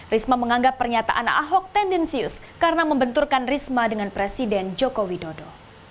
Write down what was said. risma menganggap pernyataan ahok tendensius karena membenturkan risma dengan presiden joko widodo